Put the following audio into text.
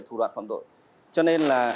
thủ đoạn phạm tội cho nên là